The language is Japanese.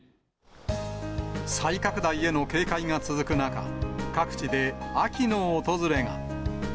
再拡大への警戒が続く中、各地で秋の訪れが。